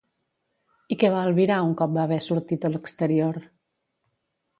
I què va albirar un cop va haver sortit a l'exterior?